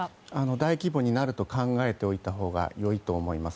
大規模になると考えておいたほうが良いと思います。